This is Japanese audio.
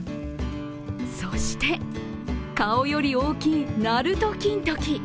そして、顔より大きい鳴門金時。